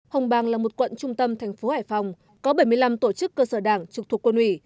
hồng bàng là một quận trung tâm thành phố hải phòng có bảy mươi năm tổ chức cơ sở đảng trục thuộc quân ủy